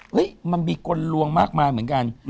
เฮ้ยมันมีกลลวงมากเหมือนกัน